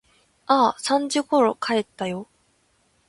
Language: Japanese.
ああ、三時ころ帰ったよ。